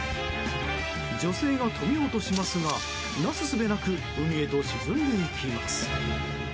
女性が止めようとしますがなすすべなく海へと沈んでいきます。